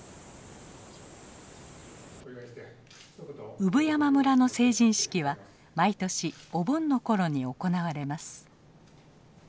産山村の成人式は毎年お盆の頃に行われます。